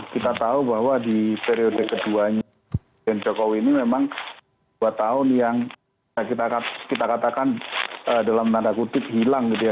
kita tahu bahwa di periode keduanya presiden jokowi ini memang dua tahun yang kita katakan dalam tanda kutip hilang gitu ya